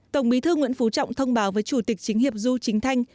tổng bí thư nguyễn phú trọng thông báo với chủ tịch chính hiệp du chính thanh